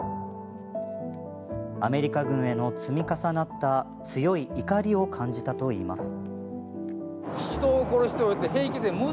アメリカ軍への積み重なった強い怒りを感じたといいます。